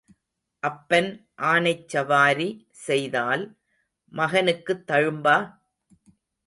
அப்பன் ஆனைச் சவாரி செய்தால் மகனுக்குத் தழும்பா?